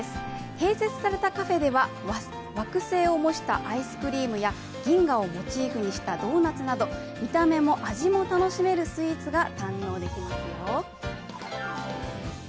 併設されたカフェでは惑星を模したアイスクリームや銀河をモチーフにしたドーナツなど、見た目も味も楽しめるスイーツが堪能できますよ。